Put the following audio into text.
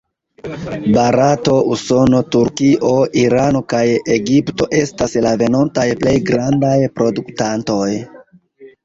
Barato, Usono, Turkio, Irano kaj Egipto estis la venontaj plej grandaj produktantoj.